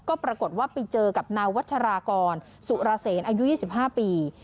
ก็ปรากฏว่าไปเจอกับนายวัชรากรสุรเสนอายุ๒๕ปี